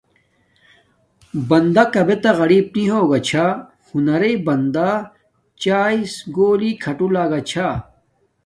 بندہ کابے تہ غریپ نی ہوگا چھا، ہنرݶ بندن پادچاھس گولی کھاٹو لگاہ چھاہ